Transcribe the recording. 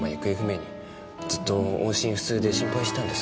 ずっと音信不通で心配してたんです。